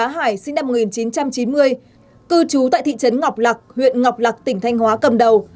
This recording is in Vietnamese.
hải sinh năm một nghìn chín trăm chín mươi cư trú tại thị trấn ngọc lạc huyện ngọc lạc tỉnh thanh hóa cầm đầu